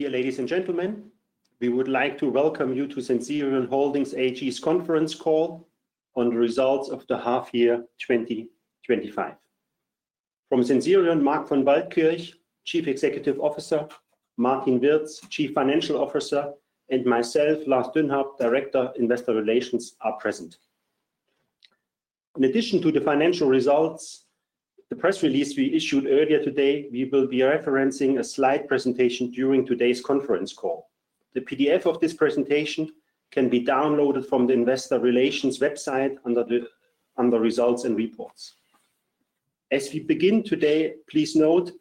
Ladies and gentlemen, we would like to welcome you to Sensirion Holding AG's Conference Call on the Results of the Half-Year 2025. From Sensirion, Marc von Waldkirch, Chief Executive Officer; Martin Wirz, Chief Financial Officer; and myself, Lars Dünnhaupt, Director of Investor Relations, are present. In addition to the financial results, the press release we issued earlier today, we will be referencing a slide presentation during today's conference call. The PDF of this presentation can be downloaded from the Investor Relations website under Results and Reports. As we begin today, please note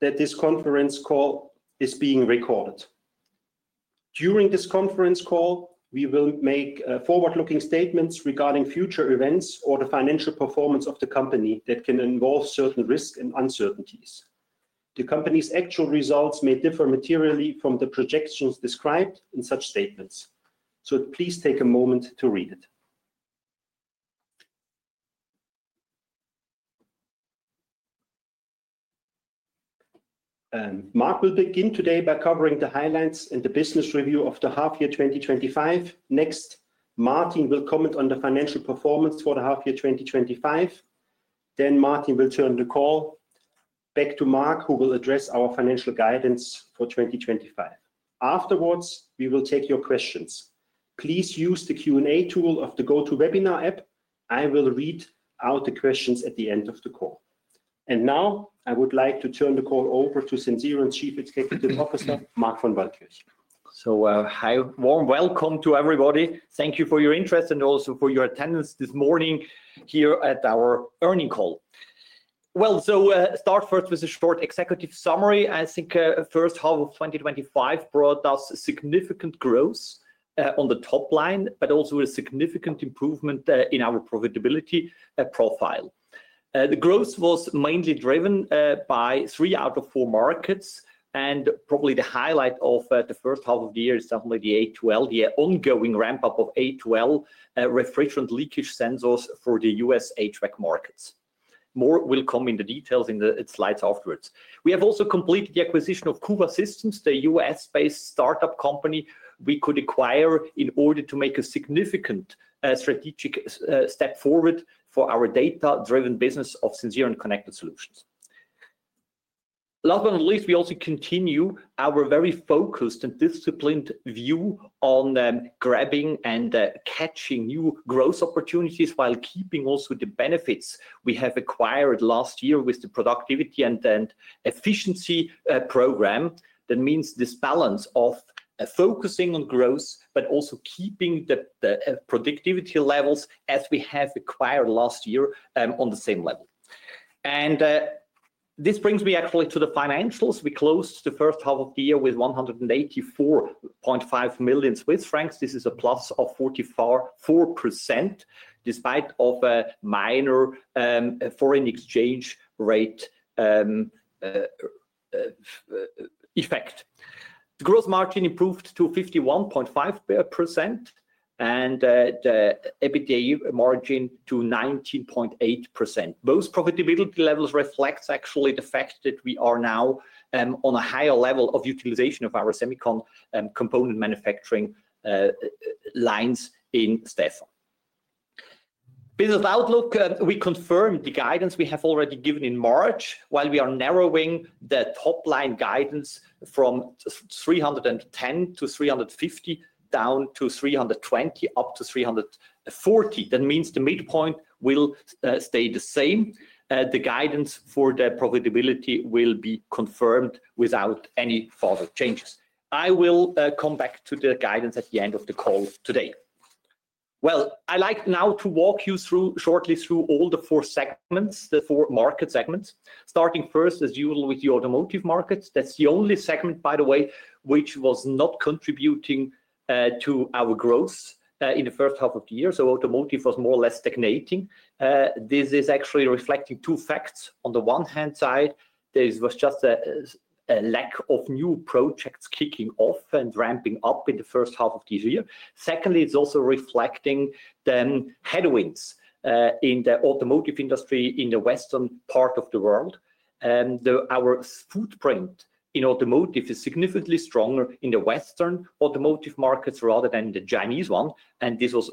that this conference call is being recorded. During this conference call, we will make forward-looking statements regarding future events or the financial performance of the company that can involve certain risks and uncertainties. The company's actual results may differ materially from the projections described in such statements. Please take a moment to read it. Marc will begin today by covering the highlights and the business review of the half-year 2025. Next, Martin will comment on the financial performance for the half-year 2025. Martin will then turn the call back to Marc, who will address our financial guidance for 2025. Afterwards, we will take your questions. Please use the Q&A tool of the GoToWebinar app. I will read out the questions at the end of the call. I would now like to turn the call over to Sensirion's Chief Executive Officer, Marc von Waldkirch. A warm welcome to everybody. Thank you for your interest and also for your attendance this morning here at our earnings call. I'll start first with a short executive summary. I think the first half of 2025 brought us significant growth on the top line, but also a significant improvement in our profitability profile. The growth was mainly driven by three out of four markets, and probably the highlight of the first half of the year is definitely the A12. The ongoing ramp-up of A12 refrigerant leakage sensors for the U.S. HVAC markets. More will come in the details in the slides afterwards. We have also completed the acquisition of Kuva Systems, the U.S.-based startup company we could acquire in order to make a significant strategic step forward for our data-driven business of Sensirion Connected Solutions. Last but not least, we also continue our very focused and disciplined view on grabbing and catching new growth opportunities while keeping also the benefits we have acquired last year with the productivity and efficiency program. That means this balance of focusing on growth but also keeping the productivity levels, as we have acquired last year, on the same level. This brings me actually to the financials. We closed the first half of the year with 184.5 million Swiss francs. This is a plus of 44% despite a minor foreign exchange rate effect. The gross margin improved to 51.5% and the EBITDA margin to 19.8%. Those profitability levels reflect actually the fact that we are now on a higher level of utilization of our semiconductor component manufacturing lines in Stéphan. For the business outlook, we confirmed the guidance we have already given in March. While we are narrowing the top line guidance from 310 million to 350 million down to 320 million up to 340 million, that means the midpoint will stay the same. The guidance for the profitability will be confirmed without any further changes. I will come back to the guidance at the end of the call today. I would now like to walk you shortly through all the four segments, the four market segments. Starting first, as usual, with the automotive markets. That's the only segment, by the way, which was not contributing to our growth in the first half of the year. Automotive was more or less stagnating. This is actually reflecting two facts. On the one hand side, there was just a lack of new projects kicking off and ramping up in the first half of this year. Secondly, it's also reflecting headwinds in the automotive industry in the western part of the world. Our footprint in automotive is significantly stronger in the western automotive markets rather than the Chinese one. This is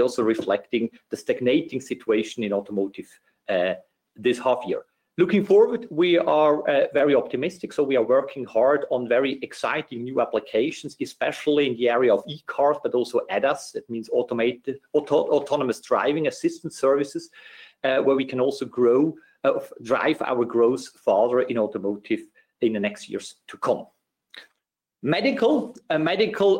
also reflecting the stagnating situation in automotive this half year. Looking forward, we are very optimistic. We are working hard on very exciting new applications, especially in the area of e-cars, but also ADAS. That means Autonomous Driving Assistance Services, where we can also grow, drive our growth further in automotive in the next years to come. Medical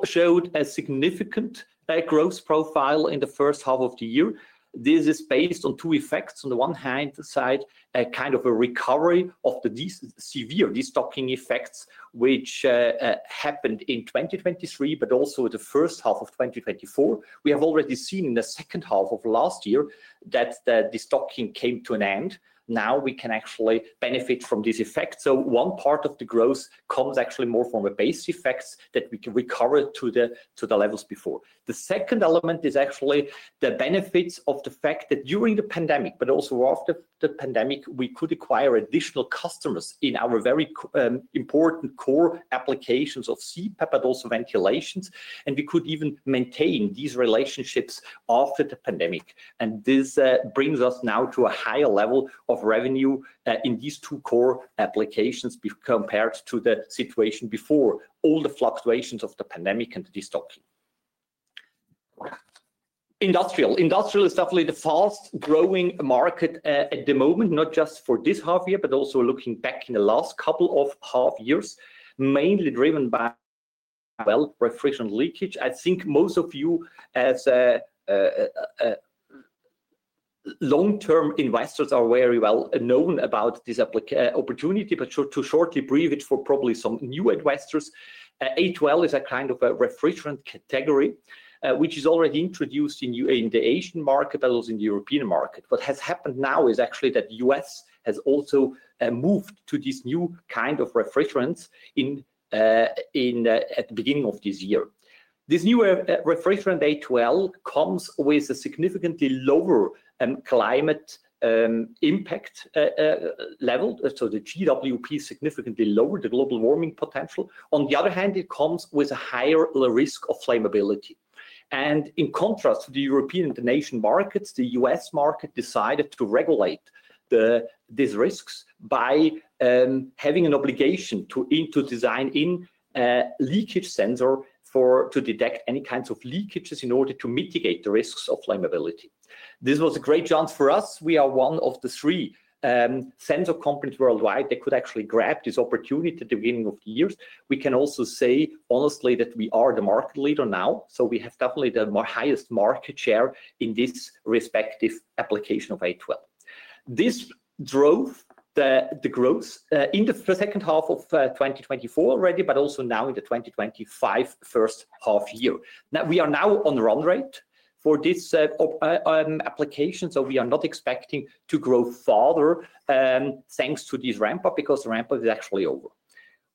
showed a significant growth profile in the first half of the year. This is based on two effects. On the one hand side, a kind of a recovery of the severe restocking effects, which happened in 2023, but also the first half of 2024. We have already seen in the second half of last year that the restocking came to an end. Now we can actually benefit from this effect. One part of the growth comes actually more from the base effects that we can recover to the levels before. The second element is actually the benefits of the fact that during the pandemic, but also after the pandemic, we could acquire additional customers in our very important core applications of CPAP, but also ventilations. We could even maintain these relationships after the pandemic. This brings us now to a higher level of revenue in these two core applications compared to the situation before all the fluctuations of the pandemic and restocking. Industrial is definitely the fast-growing market at the moment, not just for this half year, but also looking back in the last couple of half years, mainly driven by refrigerant leakage. I think most of you as long-term investors are very well known about this opportunity, but to shortly brief it for probably some new investors, A12 is a kind of a refrigerant category, which is already introduced in the Asian market, that was in the European market. What has happened now is actually that the U.S. has also moved to this new kind of refrigerants at the beginning of this year. This new refrigerant A12 comes with a significantly lower climate impact level. The GWP is significantly lower, the global warming potential. On the other hand, it comes with a higher risk of flammability. In contrast to the European and the Asian markets, the U.S. market decided to regulate these risks by having an obligation to design a leakage sensor to detect any kinds of leakages in order to mitigate the risks of flammability. This was a great chance for us. We are one of the three sensor companies worldwide that could actually grab this opportunity at the beginning of the year. We can also say honestly that we are the market leader now. We have definitely the highest market share in this respective application of A12. This drove the growth in the second half of 2024 already, but also now in the 2025 first half year. We are now on run rate for this application. We are not expecting to grow further thanks to this ramp-up because the ramp-up is actually over.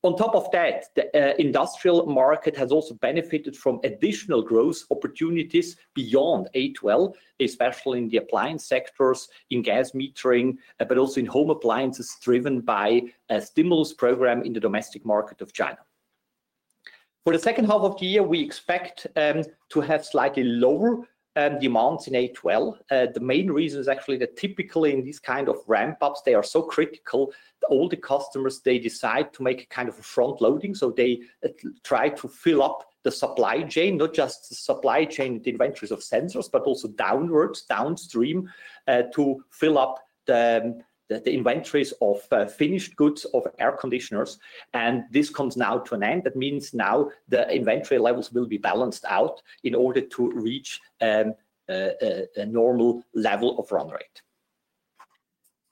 On top of that, the industrial market has also benefited from additional growth opportunities beyond A12, especially in the appliance sectors, in gas metering, but also in home appliances driven by a stimulus program in the domestic market of China. For the second half of the year, we expect to have slightly lower demands in A12. The main reason is actually that typically in these kinds of ramp-ups, they are so critical that all the customers decide to make a kind of a front loading. They try to fill up the supply chain, not just the supply chain and the inventories of sensors, but also downwards, downstream to fill up the inventories of finished goods of air conditioners. This comes now to an end. That means now the inventory levels will be balanced out in order to reach a normal level of run rate.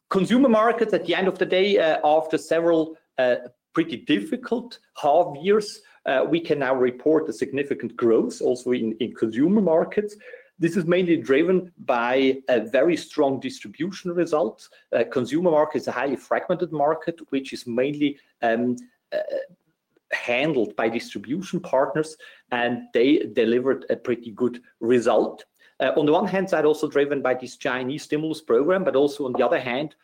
Consumer markets, at the end of the day, after several pretty difficult half years, we can now report a significant growth also in consumer markets. This is mainly driven by very strong distribution results. Consumer markets are a highly fragmented market, which is mainly handled by distribution partners, and they delivered a pretty good result. On the one hand side, also driven by this Chinese stimulus program, but also on the other hand,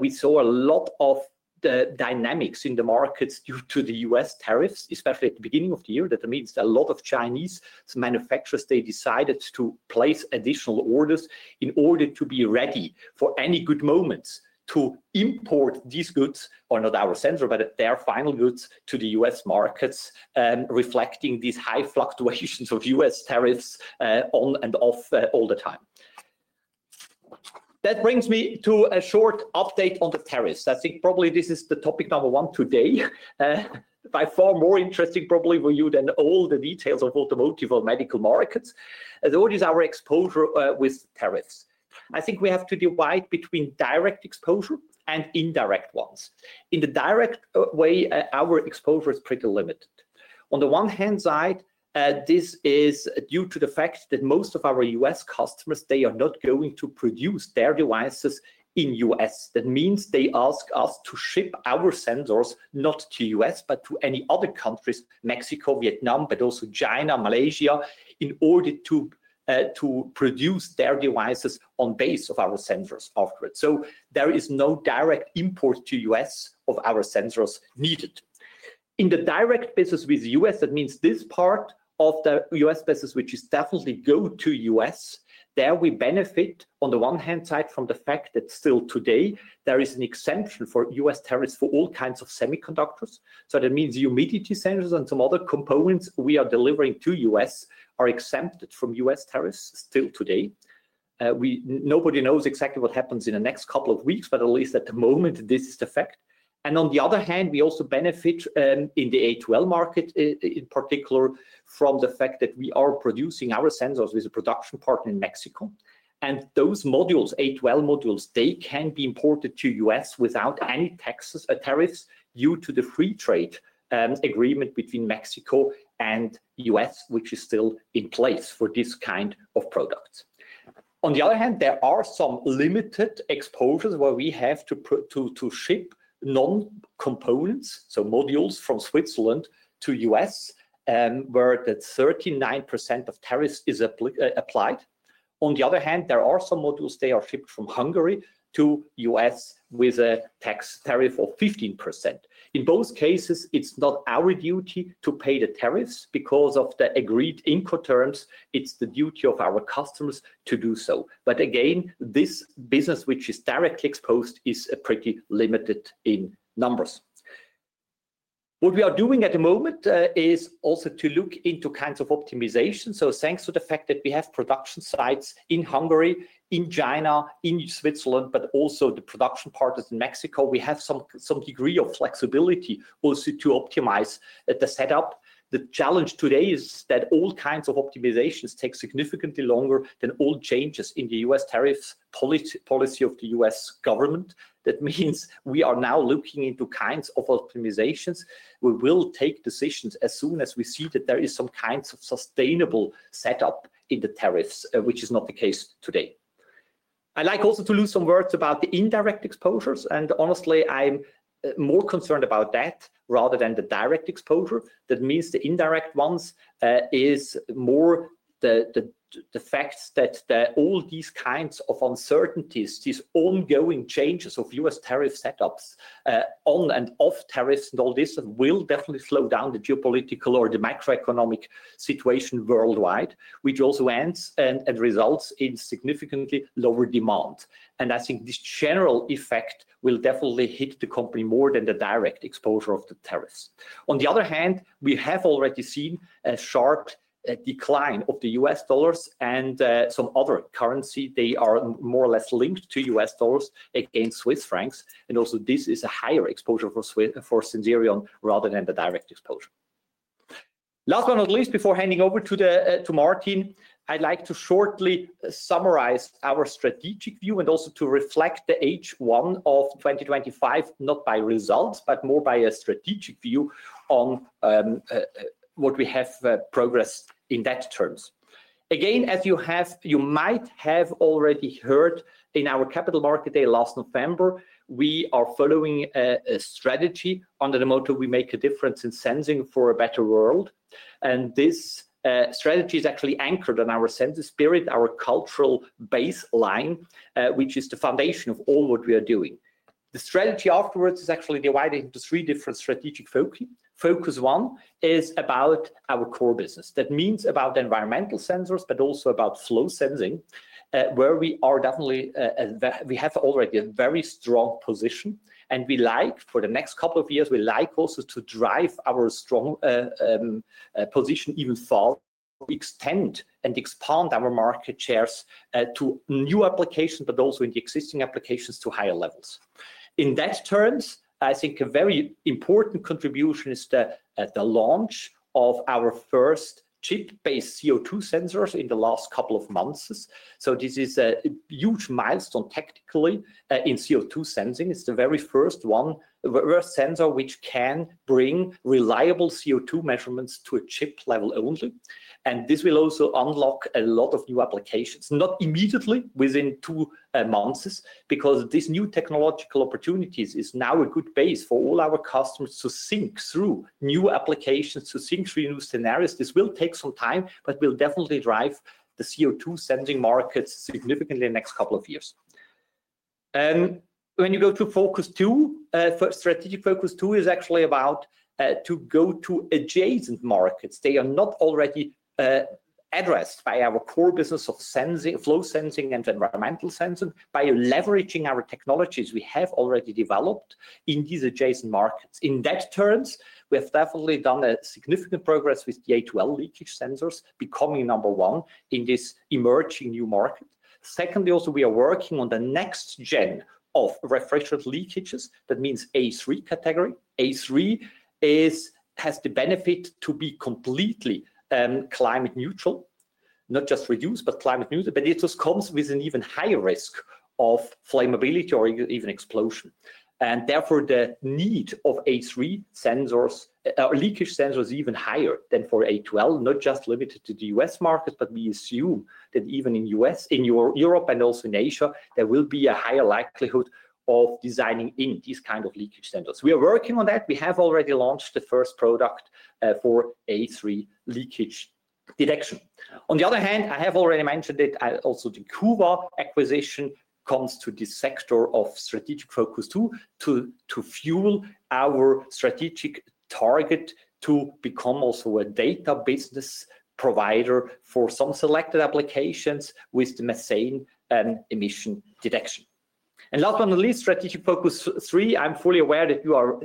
we saw a lot of dynamics in the markets due to the U.S. tariffs, especially at the beginning of the year. That means a lot of Chinese manufacturers decided to place additional orders in order to be ready for any good moments to import these goods, or not our sensor, but their final goods to the U.S. markets, reflecting these high fluctuations of U.S. tariffs on and off all the time. That brings me to a short update on the tariffs. I think probably this is the topic number one today. By far more interesting, probably, for you than all the details of automotive or medical markets. There is always our exposure with tariffs. I think we have to divide between direct exposure and indirect ones. In the direct way, our exposure is pretty limited. On the one hand side, this is due to the fact that most of our U.S. customers, they are not going to produce their devices in the U.S. That means they ask us to ship our sensors not to the U.S., but to any other countries, Mexico, Vietnam, but also China, Malaysia, in order to produce their devices on the base of our sensors afterwards. There is no direct import to the U.S. of our sensors needed. In the direct business with the U.S., that means this part of the U.S. business, which is definitely going to the U.S., there we benefit on the one hand side from the fact that still today there is an exemption for U.S. tariffs for all kinds of semiconductors. That means the humidity sensors and some other components we are delivering to the U.S. are exempted from U.S. tariffs still today. Nobody knows exactly what happens in the next couple of weeks, but at least at the moment, this is the fact. On the other hand, we also benefit in the A12 market in particular from the fact that we are producing our sensors with a production partner in Mexico. Those modules, A12 modules, they can be imported to the U.S. without any tariffs due to the free trade agreement between Mexico and the U.S., which is still in place for this kind of product. On the other hand, there are some limited exposures where we have to ship non-components, so modules from Switzerland to the U.S., where 39% of tariffs are applied. On the other hand, there are some modules that are shipped from Hungary to the U.S. with a tax tariff of 15%. In both cases, it's not our duty to pay the tariffs because of the agreed income terms. It's the duty of our customers to do so. Again, this business, which is directly exposed, is pretty limited in numbers. What we are doing at the moment is also to look into kinds of optimizations. Thanks to the fact that we have production sites in Hungary, in China, in Switzerland, but also the production partners in Mexico, we have some degree of flexibility also to optimize the setup. The challenge today is that all kinds of optimizations take significantly longer than all changes in the U.S. tariffs policy of the U.S. government. That means we are now looking into kinds of optimizations. We will take decisions as soon as we see that there is some kind of sustainable setup in the tariffs, which is not the case today. I'd like also to lose some words about the indirect exposures. Honestly, I'm more concerned about that rather than the direct exposure. That means the indirect ones are more the fact that all these kinds of uncertainties, these ongoing changes of U.S. tariff setups, on and off tariffs, and all this will definitely slow down the geopolitical or the macroeconomic situation worldwide, which also ends and results in significantly lower demand. I think this general effect will definitely hit the company more than the direct exposure of the tariffs. On the other hand, we have already seen a sharp decline of the U.S. dollars and some other currency. They are more or less linked to U.S. dollars against Swiss francs. Also, this is a higher exposure for Sensirion rather than the direct exposure. Last but not least, before handing over to Martin, I'd like to shortly summarize our strategic view and also to reflect the H1 of 2025, not by results, but more by a strategic view on what we have progressed in that terms. Again, as you might have already heard in our Capital Market Day last November, we are following a strategy under the motto "We make a difference in sensing for a better world." This strategy is actually anchored on our sensor spirit, our cultural baseline, which is the foundation of all what we are doing. The strategy afterwards is actually divided into three different strategic focuses. Focus one is about our core business. That means about environmental sensors, but also about flow sensing, where we are definitely, we have already a very strong position. We like for the next couple of years, we like also to drive our strong position even further. We extend and expand our market shares to new applications, but also in the existing applications to higher levels. In that terms, I think a very important contribution is the launch of our first chip-based CO₂ sensors in the last couple of months. This is a huge milestone technically in CO₂ sensing. It's the very first one where a sensor can bring reliable CO₂ measurements to a chip level only. This will also unlock a lot of new applications, not immediately within two months, because this new technological opportunity is now a good base for all our customers to think through new applications, to think through new scenarios. This will take some time, but will definitely drive the CO₂ sensing markets significantly in the next couple of years. When you go to focus two, strategic focus two is actually about going to adjacent markets. They are not already addressed by our core business of flow sensing and environmental sensing, by leveraging our technologies we have already developed in these adjacent markets. In that sense, we have definitely made significant progress with the A12 refrigerant leakage sensors becoming number one in this emerging new market. Secondly, we are working on the next generation of refrigerant leakage sensors. That means A3 category. A3 has the benefit of being completely climate neutral, not just reduced, but climate neutral. It comes with an even higher risk of flammability or even explosion. Therefore, the need for A3 sensors or leakage sensors is even higher than for A12, not just limited to the U.S. markets. We assume that even in the U.S., in Europe, and also in Asia, there will be a higher likelihood of designing in these kinds of leakage sensors. We are working on that. We have already launched the first product for A3 leakage detection. On the other hand, I have already mentioned it, also the Kuva Systems acquisition comes to this sector of strategic focus two to fuel our strategic target to become also a data business provider for some selected applications with the methane emissions monitoring. Last but not least, strategic focus three, I am fully aware that you are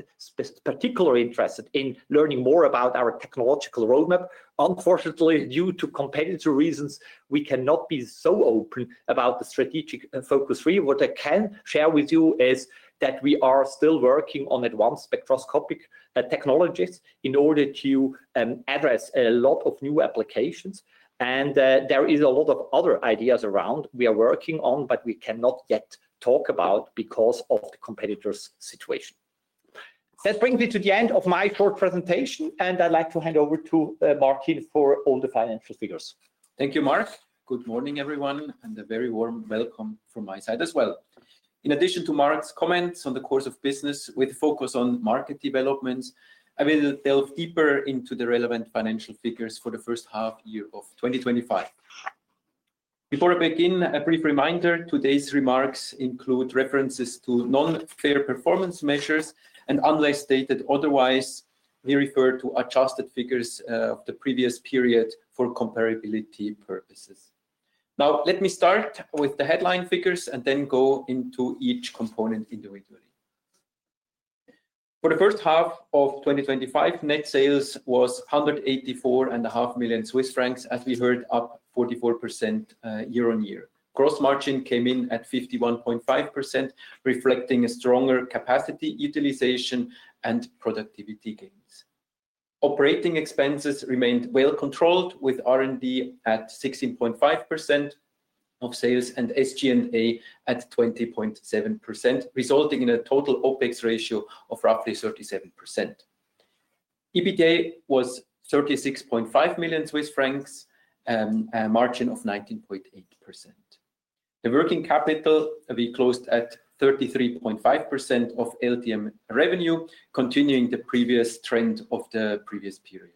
particularly interested in learning more about our technological roadmap. Unfortunately, due to competitive reasons, we cannot be so open about the strategic focus three. What I can share with you is that we are still working on advanced spectroscopic technologies in order to address a lot of new applications. There are a lot of other ideas around we are working on, but we cannot yet talk about them because of the competitor's situation. That brings me to the end of my short presentation, and I'd like to hand over to Martin for all the financial figures. Thank you, Marc. Good morning, everyone, and a very warm welcome from my side as well. In addition to Marc's comments on the course of business with a focus on market developments, I will delve deeper into the relevant financial figures for the first half year of 2025. Before I begin, a brief reminder, today's remarks include references to non-first performance measures, and unless stated otherwise, we refer to adjusted figures of the previous period for comparability purposes. Now, let me start with the headline figures and then go into each component individually. For the first half of 2025, net sales were 184.5 million Swiss francs, as we heard, up 44% year-on-year. Gross margin came in at 51.5%, reflecting a stronger capacity utilization and productivity gains. Operating expenses remained well controlled with R&D at 16.5% of sales and SG&A at 20.7%, resulting in a total OpEx ratio of roughly 37%. EBITDA was 36.5 million Swiss francs, a margin of 19.8%. The working capital, we closed at 33.5% of LVM revenue, continuing the previous trend of the previous period.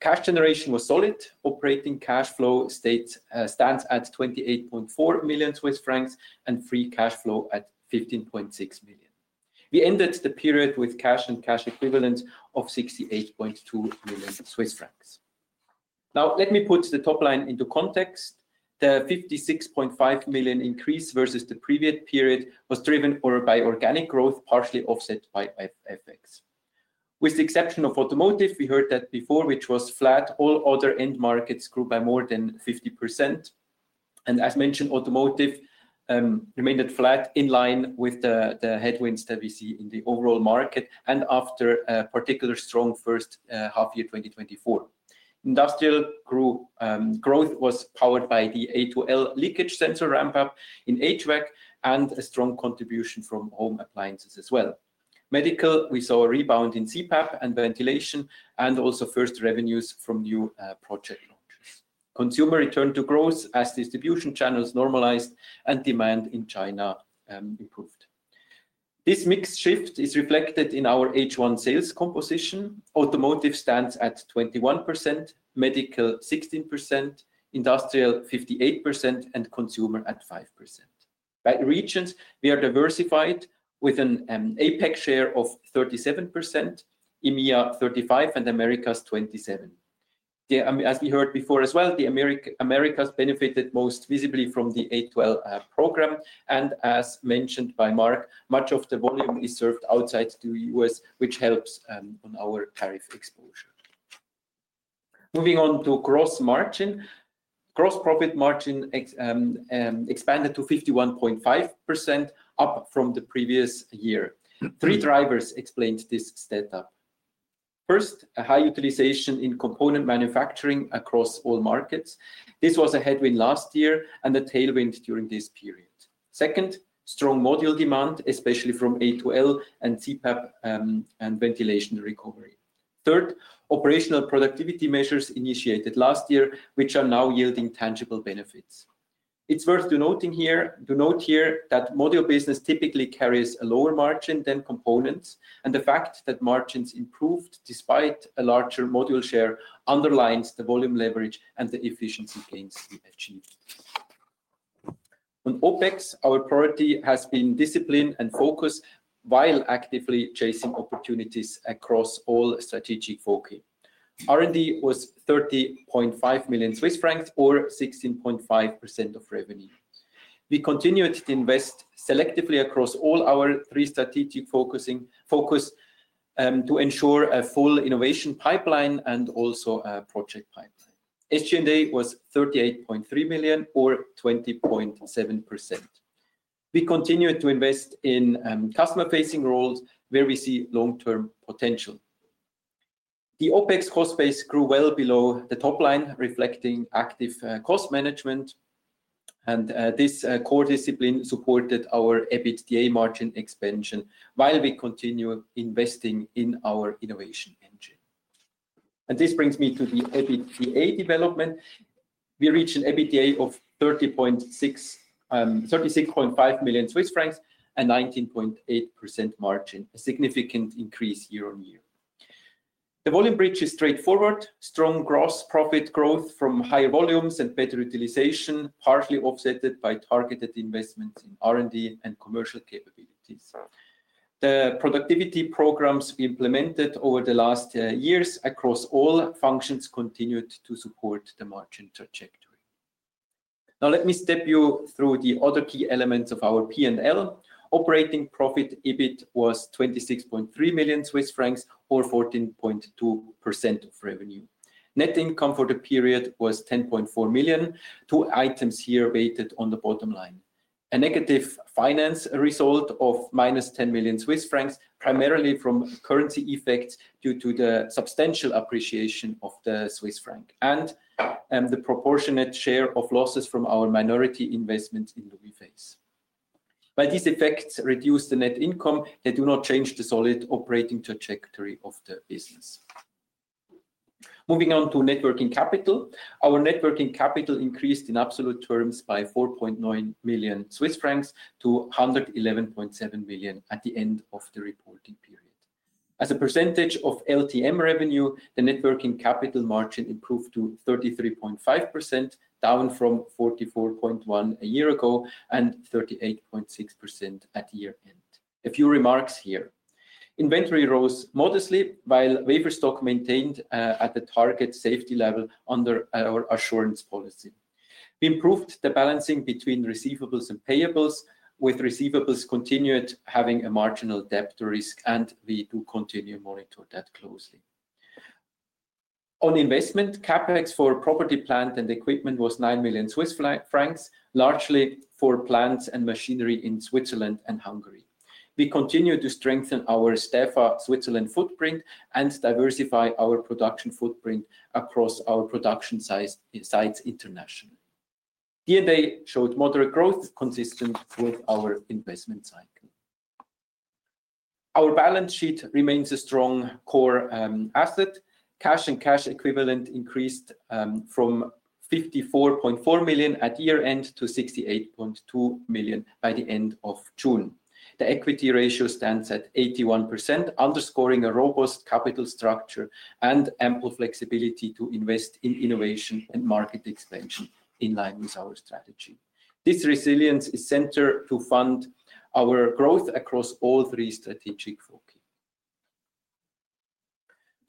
Cash generation was solid. Operating cash flow stands at 28.4 million Swiss francs and free cash flow at 15.6 million. We ended the period with cash and cash equivalents of 68.2 million Swiss francs. Now, let me put the top line into context. The 56.5 million increase versus the previous period was driven by organic growth, partially offset by FX. With the exception of automotive, we heard that before, which was flat, all other end markets grew by more than 50%. As mentioned, automotive remained flat in line with the headwinds that we see in the overall market and after a particularly strong first half year 2024. Industrial growth was powered by the A12 refrigerant leakage sensor ramp-up in HVAC and a strong contribution from home appliances as well. Medical, we saw a rebound in CPAP and ventilation and also first revenues from new project launches. Consumer returned to growth as distribution channels normalized and demand in China improved. This mix shift is reflected in our H1 sales composition. Automotive stands at 21%, medical 16%, industrial 58%, and consumer at 5%. By regions, we are diversified with an APAC share of 37%, EMEA 35%, and Americas 27%. As we heard before as well, the Americas benefited most visibly from the A12 program. As mentioned by Marc, much of the volume is served outside the U.S., which helps on our tariff exposure. Moving on to gross margin, gross profit margin expanded to 51.5% up from the previous year. Three drivers explained this stata. First, a high utilization in component manufacturing across all markets. This was a headwind last year and a tailwind during this period. Second, strong module demand, especially from A12 and CPAP and ventilation recovery. Third, operational productivity measures initiated last year, which are now yielding tangible benefits. It's worth to note here that module business typically carries a lower margin than components, and the fact that margins improved despite a larger module share underlines the volume leverage and the efficiency gains we've achieved. On OpEx, our priority has been discipline and focus while actively chasing opportunities across all strategic focus. R&D was 30.5 million Swiss francs or 16.5% of revenue. We continued to invest selectively across all our three strategic focuses to ensure a full innovation pipeline and also a project pipeline. SG&A was 38.3 million or 20.7%. We continued to invest in customer-facing roles where we see long-term potential. The OpEx cost base grew well below the top line, reflecting active cost management. This core discipline supported our EBITDA margin expansion while we continue investing in our innovation engine. This brings me to the EBITDA development. We reached an EBITDA of 36.5 million Swiss francs and 19.8% margin, a significant increase year on year. The volume bridge is straightforward. Strong gross profit growth from higher volumes and better utilization, partially offset by targeted investments in R&D and commercial capabilities. The productivity programs implemented over the last years across all functions continued to support the margin trajectory. Now, let me step you through the other key elements of our P&L. Operating profit EBITDA was 26.3 million Swiss francs or 14.2% of revenue. Net income for the period was 10.4 million. Two items here weighted on the bottom line. A negative finance result of - 10 million Swiss francs, primarily from currency effects due to the substantial appreciation of the Swiss franc and the proportionate share of losses from our minority investments in the refinance. While these effects reduce the net income, they do not change the solid operating trajectory of the business. Moving on to net working capital, our net working capital increased in absolute terms by 4.9 million Swiss francs to 111.7 million at the end of the reporting period. As a percentage of LTM revenue, the net working capital margin improved to 33.5%, down from 44.1% a year ago and 38.6% at year end. A few remarks here. Inventory rose modestly while wafer stock maintained at the target safety level under our assurance policy. We improved the balancing between receivables and payables, with receivables continued having a marginal default risk, and we do continue to monitor that closely. On investment, CapEx for property, plant, and equipment was 9 million Swiss francs, largely for plants and machinery in Switzerland and Hungary. We continue to strengthen our Stäfa, Switzerland footprint and diversify our production footprint across our production sites internationally. D&A showed moderate growth, consistent with our investment cycle. Our balance sheet remains a strong core asset. Cash and cash equivalents increased from 54.4 million at year end to 68.2 million by the end of June. The equity ratio stands at 81%, underscoring a robust capital structure and ample flexibility to invest in innovation and market expansion in line with our strategy. This resilience is central to fund our growth across all three strategic focus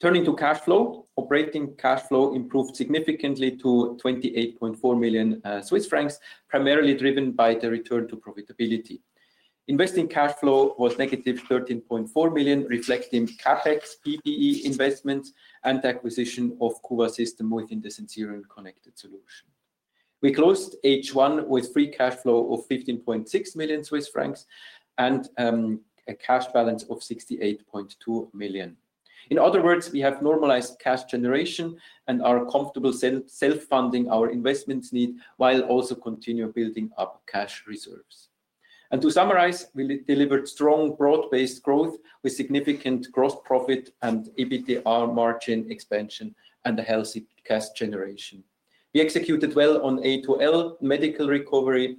areas. Turning to cash flow, operating cash flow improved significantly to 28.4 million Swiss francs, primarily driven by the return to profitability. Investing cash flow was negative 13.4 million, reflecting CapEx, PPE investments, and acquisition of Kuva Systems within Sensirion Connected Solutions. We closed H1 with free cash flow of 15.6 million Swiss francs and a cash balance of 68.2 million. In other words, we have normalized cash generation and are comfortable self-funding our investment needs while also continuing building up cash reserves. To summarize, we delivered strong broad-based growth with significant gross profit and EBITDA margin expansion and a healthy cash generation. We executed well on A12, medical recovery,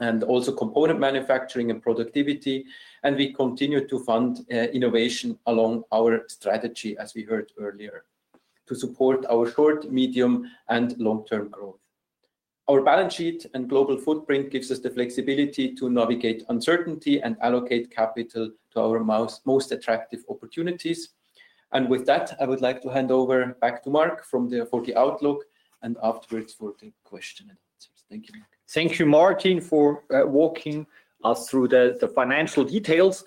and also component manufacturing and productivity, and we continue to fund innovation along our strategy, as we heard earlier, to support our short, medium, and long-term growth. Our balance sheet and global footprint give us the flexibility to navigate uncertainty and allocate capital to our most attractive opportunities. I would like to hand over back to Marc for the outlook and afterwards for the question and answers. Thank you, Marc. Thank you, Martin, for walking us through the financial details.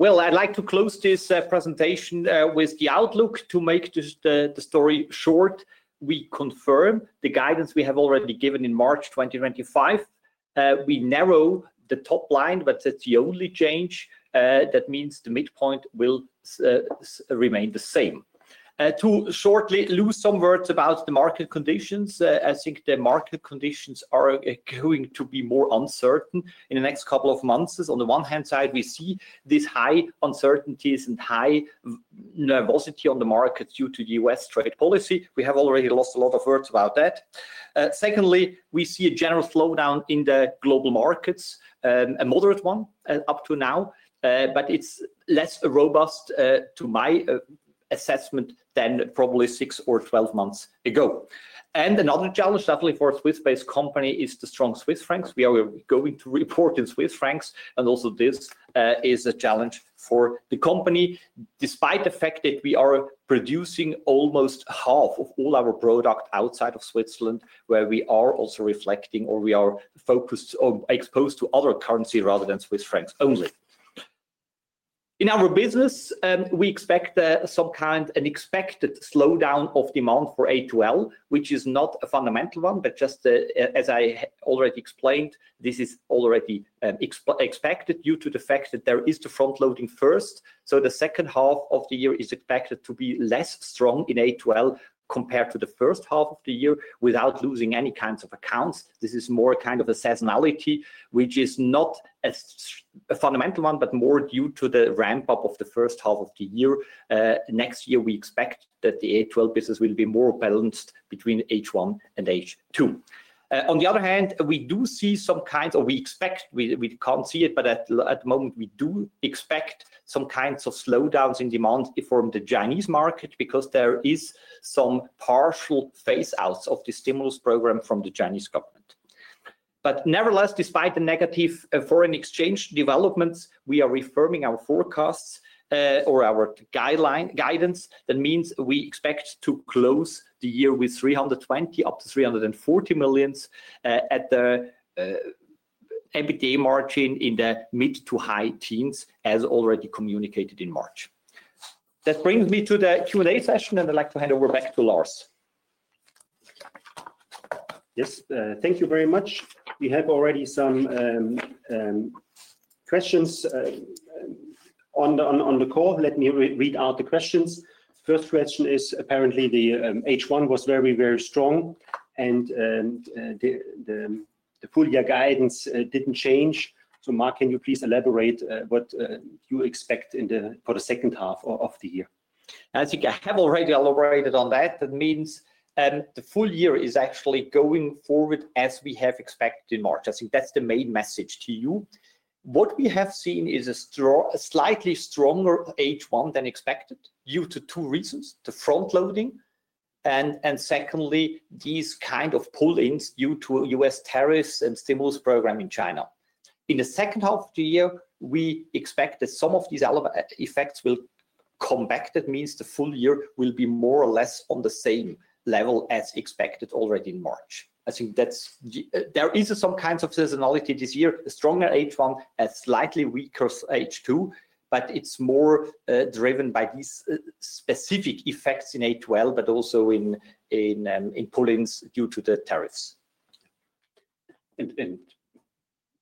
I'd like to close this presentation with the outlook. To make the story short, we confirm the guidance we have already given in March 2025. We narrow the top line, but that's the only change. That means the midpoint will remain the same. To shortly lose some words about the market conditions, I think the market conditions are going to be more uncertain in the next couple of months. On the one hand side, we see these high uncertainties and high nervosity on the markets due to the U.S. trade policy. We have already lost a lot of words about that. Secondly, we see a general slowdown in the global markets, a moderate one up to now, but it's less robust, to my assessment, than probably six or twelve months ago. Another challenge, definitely for a Swiss-based company, is the strong Swiss franc. We are going to report in Swiss francs, and also this is a challenge for the company, despite the fact that we are producing almost half of all our product outside of Switzerland, where we are also reflecting or we are focused on exposed to other currency rather than Swiss francs only. In our business, we expect some kind of an expected slowdown of demand for A12, which is not a fundamental one, but just as I already explained, this is already expected due to the fact that there is the front loading first. The second half of the year is expected to be less strong in A12 compared to the first half of the year without losing any kinds of accounts. This is more a kind of a seasonality, which is not a fundamental one, but more due to the ramp-up of the first half of the year. Next year, we expect that the A12 business will be more balanced between H1 and H2. On the other hand, we do see some kinds of, we expect, we can't see it, but at the moment, we do expect some kinds of slowdowns in demand from the Chinese market because there are some partial phase-outs of the stimulus program from the Chinese government. Nevertheless, despite the negative foreign exchange developments, we are reaffirming our forecasts or our guidance. That means we expect to close the year with 320 million up to 340 million at the EBITDA margin in the mid to high teens, as already communicated in March. That brings me to the Q&A session, and I'd like to hand over back to Lars. Yes, thank you very much. We have already some questions on the call. Let me read out the questions. First question is, apparently, the H1 was very, very strong, and the full year guidance didn't change. Marc, can you please elaborate what you expect for the second half of the year? I think I have already elaborated on that. That means the full year is actually going forward as we have expected in March. I think that's the main message to you. What we have seen is a slightly stronger H1 than expected due to two reasons: the front loading and, secondly, these kinds of pull-ins due to U.S. tariffs and the stimulus program in China. In the second half of the year, we expect that some of these effects will come back. That means the full year will be more or less on the same level as expected already in March. I think there is some kind of seasonality this year, a stronger H1, a slightly weaker H2, but it's more driven by these specific effects in A12, but also in pull-ins due to the tariffs.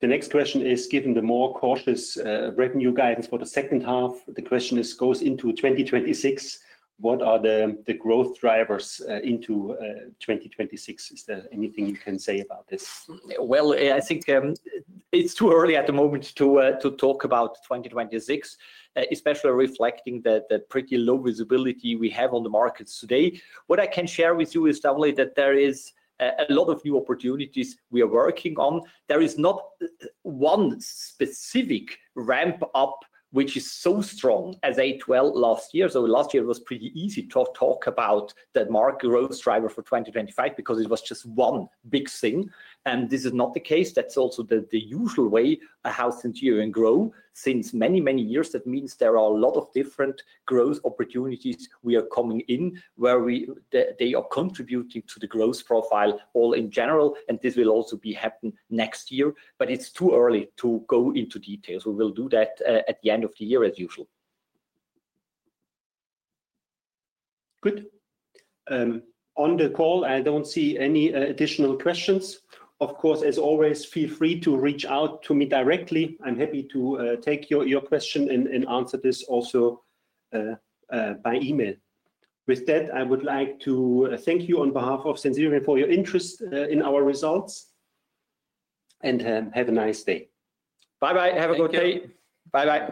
Given the more cautious revenue guidance for the second half, the question goes into 2026. What are the growth drivers into 2026? Is there anything you can say about this? I think it's too early at the moment to talk about 2026, especially reflecting the pretty low visibility we have on the markets today. What I can share with you is definitely that there are a lot of new opportunities we are working on. There is not one specific ramp-up which is so strong as A12 last year. Last year it was pretty easy to talk about the market growth driver for 2025 because it was just one big thing. This is not the case. That's also the usual way a house in Sensirion grows since many, many years. That means there are a lot of different growth opportunities we are coming in where they are contributing to the growth profile all in general. This will also happen next year. It's too early to go into details. We will do that at the end of the year, as usual. Good. On the call, I don't see any additional questions. Of course, as always, feel free to reach out to me directly. I'm happy to take your question and answer this also by email. With that, I would like to thank you on behalf of Sensirion Holding AG for your interest in our results. Have a nice day. Bye-bye. Have a good day. Bye-bye.